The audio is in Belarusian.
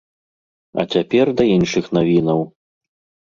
А цяпер да іншых навінаў!